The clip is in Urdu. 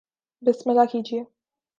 بسم اللہ کیجئے